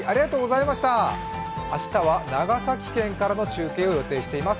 明日は、長崎県からの中継を予定しています。